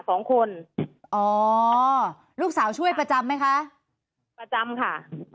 สองคนอ๋อลูกสาวช่วยประจำไหมคะประจำค่ะ